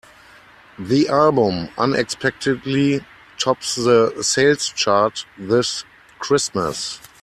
The album unexpectedly tops the sales chart this Christmas.